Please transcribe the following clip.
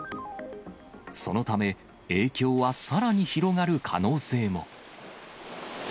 そのため、影響はさらに広がる可能性も。